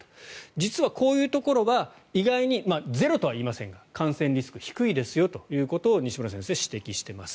実はこういうところは意外にゼロとは言いませんが感染リスクが低いですよと西村先生は指摘しています。